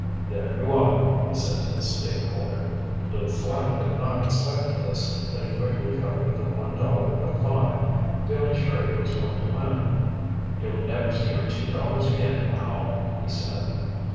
"There you are," he said to the stakeholder. Lew Flapp had not expected this, but he quickly covered the one dollar with a five, feeling sure he was going to win. "You'll never see your two dollars again, Powell," he said.